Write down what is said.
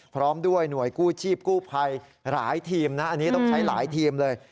พร้อมด้วยหน่วยกู้ชีพกู้ภัยหลายทีมนะอันนี้ต้องใช้หลายทีมเลย